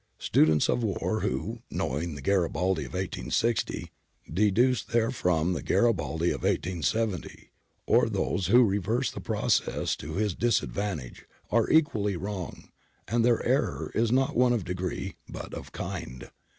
Students of war who, knowing the Garibaldi of i860, deduce therefrom the Garibaldi of 1870, or those who reverse the process to his disadvantage, are equally wrong, and their error is one not of degree but of kind.